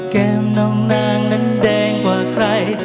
แก้มน้องนางนั้นแดงกว่าใคร